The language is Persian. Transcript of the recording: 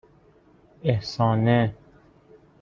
اِحسانه